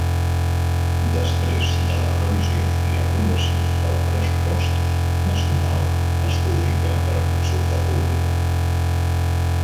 Després de la revisió i aprovació del pressupost nacional, es publica per a consulta pública.